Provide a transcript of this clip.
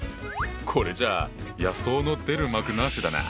これじゃあ野草の出る幕なしだな。